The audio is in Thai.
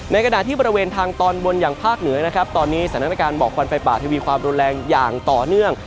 ขณะที่บริเวณทางตอนบนอย่างภาคเหนือนะครับตอนนี้สถานการณ์หมอกควันไฟป่าทีวีความรุนแรงอย่างต่อเนื่อง